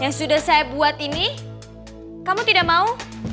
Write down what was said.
yang sudah saya buat ini kamu tidak mau